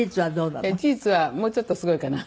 事実はもうちょっとすごいかな。